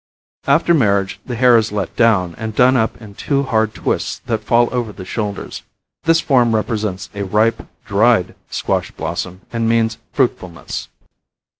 After marriage the hair is let down and done up in two hard twists that fall over the shoulders. This form represents a ripe, dried squash blossom and means fruitfulness.